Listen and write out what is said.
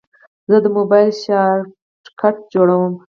زه د موبایل شارټکټ جوړوم.